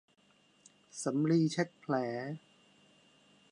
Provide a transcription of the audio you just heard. สำลีเช็ดแผล